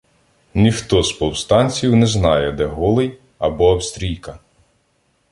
Ніхто з повстанців не знає, де Голий або "австрійка".